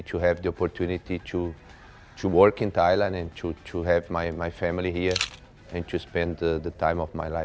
ฉันดีใจที่มีโอกาสทำงานในไทยและมีครอบครัวที่นี่